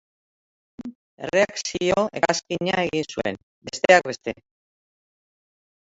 Lehen erreakzio-hegazkina egin zuen, besteak beste.